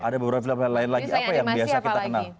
ada beberapa film film lain lagi apa yang biasa kita kenal